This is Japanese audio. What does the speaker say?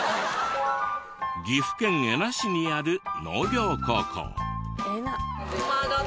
岐阜県恵那市にある農業高校。